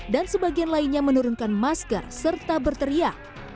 dan sebagian lainnya menurunkan masker serta berteriak